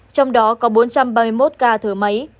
trong đó có bốn trăm ba mươi một ca thở máy